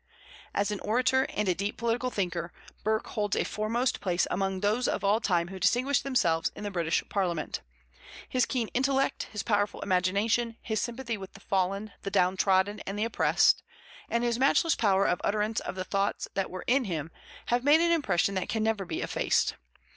As an orator and a deep political thinker, Burke holds a foremost place among those of all time who distinguished themselves in the British parliament. His keen intellect, his powerful imagination, his sympathy with the fallen, the downtrodden, and the oppressed, and his matchless power of utterance of the thoughts that were in him have made an impression that can never be effaced.